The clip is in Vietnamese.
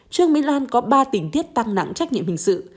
trương mỹ lan có ba tình tiết tăng nặng trách nhiệm hình sự